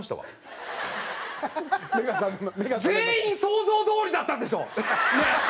全員想像どおりだったんでしょ！ねえ？